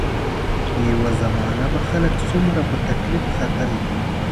یوه زمانه به خلک څومره په تکلیف ختل.